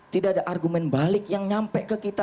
tidak ada argumen balik yang nyampe ke kita